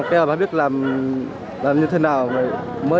yêu bà con đi là mà cho thằng ta cùng ngồi